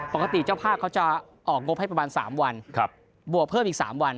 เจ้าภาพเขาจะออกงบให้ประมาณ๓วันบวกเพิ่มอีก๓วัน